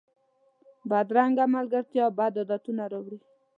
بدرنګه ملګرتیا بد عادتونه راوړي